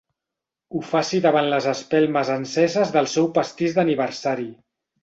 Ho faci davant les espelmes enceses del seu pastís d'aniversari.